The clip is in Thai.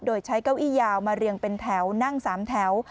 โดยใช้เก้าอี้ยาวมาเรียงเป็นแถวนั่ง๓แถว